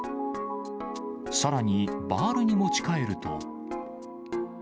さらに、バールに持ち替えると。